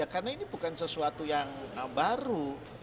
karena ini bukan sesuatu yang baru